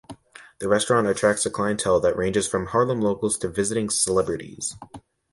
The restaurant attracts a clientele that ranges from Harlem locals to visiting celebrities.